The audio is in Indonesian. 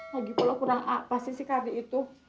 lagipula kurang apa sih si kardi itu